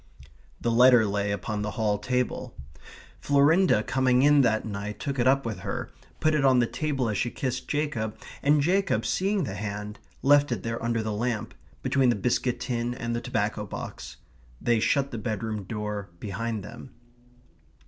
The letter lay upon the hall table; Florinda coming in that night took it up with her, put it on the table as she kissed Jacob, and Jacob seeing the hand, left it there under the lamp, between the biscuit tin and the tobacco box. They shut the bedroom door behind them.